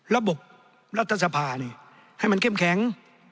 รัฐสภานี่ให้มันเข้มแข็ง